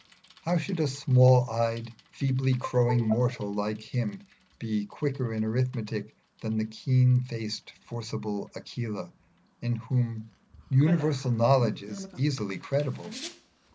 How should a small eyed, feebly crowing mortal like him be quicker in arithmetic than the keen faced forcible Aquila, in whom universal knowledge is easily credible?